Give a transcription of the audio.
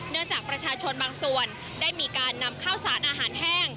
จากประชาชนบางส่วนได้มีการนำข้าวสารอาหารแห้ง